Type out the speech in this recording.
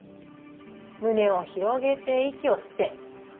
胸を広げて息を吸って。